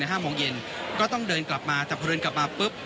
ห้าโมงเย็นก็ต้องเดินกลับมาแต่พอเดินกลับมาปุ๊บ